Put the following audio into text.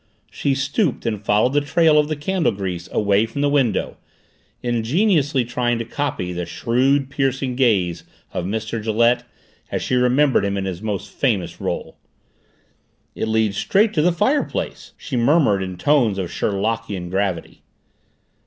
She stooped and followed the trail of the candle grease away from the window, ingeniously trying to copy the shrewd, piercing gaze of Mr. Gillette as she remembered him in his most famous role. "It leads straight to the fireplace!" she murmured in tones of Sherlockian gravity.